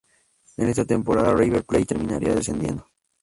En esta temporada River Plate terminaría descendiendo.